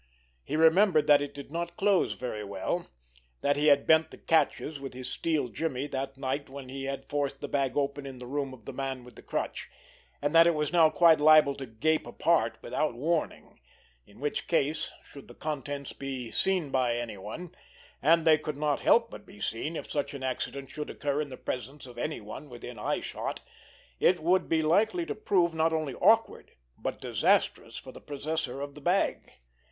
He remembered that it did not close very well, that he had bent the catches with his steel jimmy that night when he had forced the bag open in the room of the Man with the Crutch, and that it was now quite liable to gape apart without warning—in which case, should the contents be seen by anyone, and they could not help but be seen if such an accident should occur in the presence of anyone within eyeshot, it would be likely to prove, not only awkward, but disastrous for the possessor of the bag.